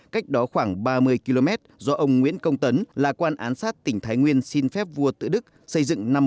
cách đó khoảng ba mươi km do ông nguyễn công tấn là quan án sát tỉnh thái nguyên xin phép vua tự đức xây dựng năm một nghìn tám trăm sáu mươi chín